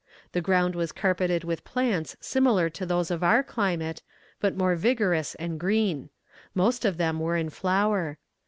The ground was carpeted with plants similar to those of our climate, but more vigorous and green; most of them were in flower.